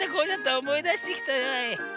おもいだしてきたわい。